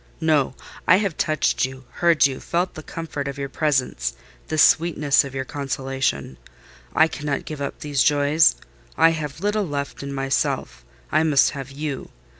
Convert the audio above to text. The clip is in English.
No—I have touched you, heard you, felt the comfort of your presence—the sweetness of your consolation: I cannot give up these joys. I have little left in myself—I must have you.